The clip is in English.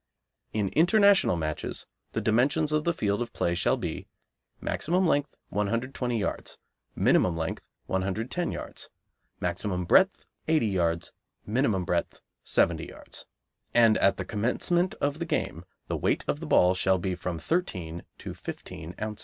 In International matches the dimensions of the field of play shall be maximum length, 120 yards; minimum length, 110 yards; maximum breadth, 80 yards; minimum breadth, 70 yards; and at the commencement of the game the weight of the ball shall be from thirteen to fifteen ounces.